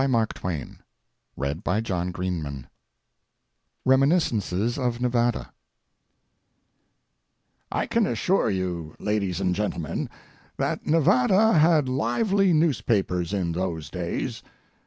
THE UNION RIGHT OR WRONG REMINISCENCES OF NEVADA I can assure you, ladies and gentlemen, that Nevada had lively newspapers in those days.